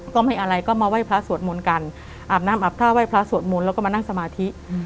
ก็ไม่อะไรก็มาไหว้พระสวดมนต์กันอาบน้ำอาบท่าไห้พระสวดมนต์แล้วก็มานั่งสมาธิ